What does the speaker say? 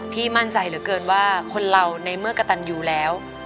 มั่นใจเหลือเกินว่าคนเราในเมื่อกระตันอยู่แล้ว